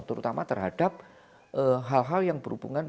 terutama terhadap hal hal yang berhubungan